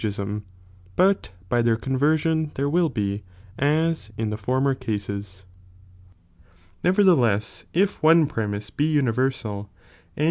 P;" | gism, but by their conversion ' there wUl be, as in ginn'ietulii. I the former cases, Kevertlieless if one premise be universal and 4.